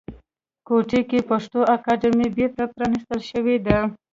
کوټې کې پښتو اکاډمۍ بیرته پرانیستل شوې ده